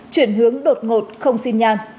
chuyển hướng đột ngột không xin nhan